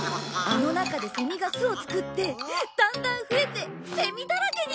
あの中でセミが巣を作ってだんだん増えてセミだらけになるんだ！